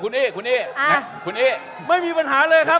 คุณจิลายุเขาบอกว่ามันควรทำงานร่วมกัน